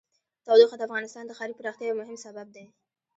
تودوخه د افغانستان د ښاري پراختیا یو مهم سبب دی.